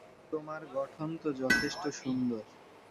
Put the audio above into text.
তোমার গঠন তো যথেষ্ট সুন্দর।